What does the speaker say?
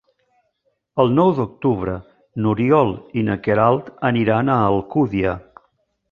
El nou d'octubre n'Oriol i na Queralt aniran a l'Alcúdia.